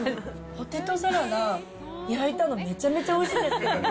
ポテトサラダ、焼いたの、めちゃめちゃおいしいんですけど。